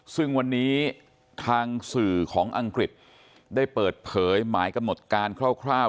ซึ่งวันนี้ทางสื่อของอังกฤษได้เปิดเผยหมายกำหนดการคร่าว